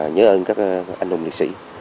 nhớ ơn các anh hùng liệt sĩ